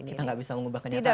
kita nggak bisa mengubah kenyataan